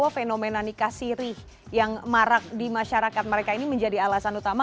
fenomena nikah sirih yang marak di masyarakat mereka ini menjadi alasan utama